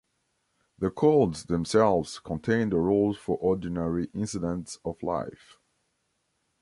The codes themselves contain the rules for ordinary incidents of life.